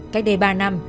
cách đây ba năm